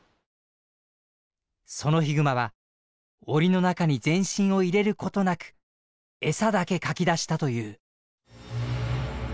そのヒグマは檻の中に全身を入れることなく餌だけかき出したという。